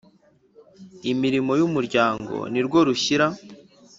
Imirimo y umuryango nirwo rushyira